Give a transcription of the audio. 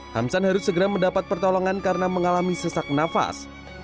hamsan harus segera mendapat pertolongan karena mengalami sesak nafas